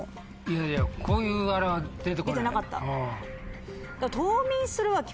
いやいやこういうあれは出て来ない。